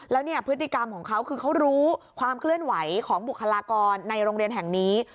แล้วเนี่ยพฤติกรรมของเขาคือเขารู้ความเคลื่อนไหวของบุคลากรในโรงเรียนแห่งนี้